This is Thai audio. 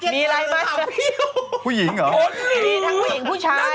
มีอะไรบ้างมีทั้งผู้หญิงผู้ชาย